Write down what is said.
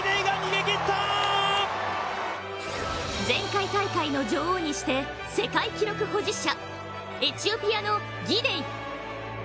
前回大会の女王にして世界記録保持者エチオピアのギデイ。